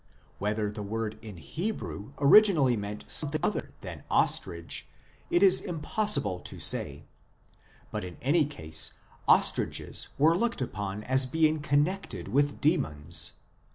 Whether the word in Hebrew originally meant something other than ostrich it is impossible to say ; but in any case, ostriches were looked upon as being connected with demons.